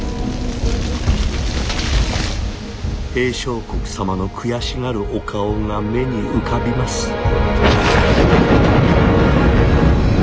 「平相国様の悔しがるお顔が目に浮かびます」。